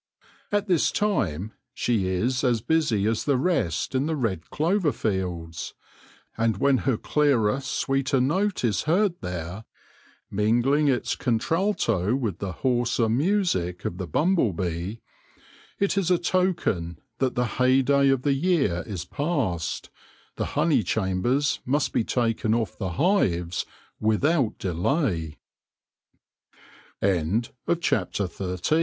At this time she is as busy as the rest in the red clover fields. And when her clearer, sweeter note is heard there, mingling its contralto with the hoarser music of the bumble bee, it is a token that the heyday of the year is past ; the honey chambers must be tak